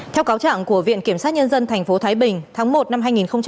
theo cáo trạng của viện kiểm sát nhân dân thành phố thái bình tháng một năm hai nghìn một mươi bảy